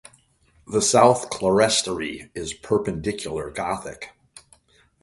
The south clerestory is Perpendicular Gothic.